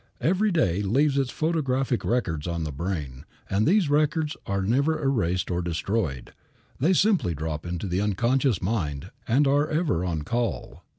Every day leaves its phonographic records on the brain, and these records are never erased or destroyed. They simply drop into the subconscious mind and are ever on call.